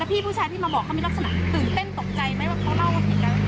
พี่ผู้ชายที่มาบอกเขามีลักษณะตื่นเต้นตกใจไหมว่าเขาเล่าว่าผิดแล้ว